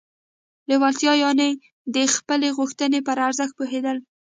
لېوالتیا يانې د خپلې غوښتنې پر ارزښت پوهېدل.